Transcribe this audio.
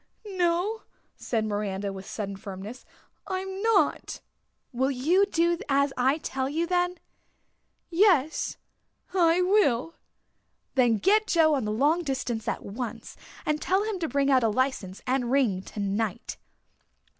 "No," said Miranda, with sudden firmness, "I'm not." "Will you do as I tell you then?" "Yes, I will." "Then get Joe on the long distance at once and tell him to bring out a license and ring tonight."